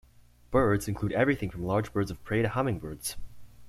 Birds include everything from large birds of prey to hummingbirds.